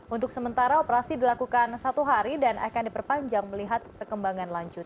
untuk sementara operasi dilakukan satu hari dan akan diperpanjang melihat perkembangan lanjut